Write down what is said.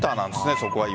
そこは今。